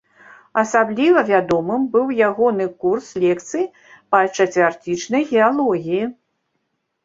Асабліва вядомым быў ягоны курс лекцый па чацвярцічнай геалогіі.